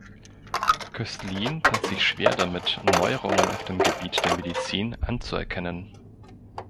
Köstlin tat sich schwer damit, Neuerungen auf dem Gebiet der Medizin anzuerkennen.